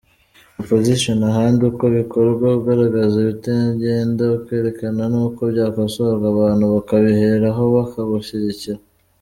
opposition ahandi uko bikorwa ugaragaza ibitagenda, ukerekana nuko byakosorwa, abantu bakabiheraho bakagushyigikira.